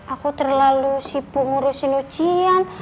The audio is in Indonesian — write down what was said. aku terlalu sibuk ngurusin lucian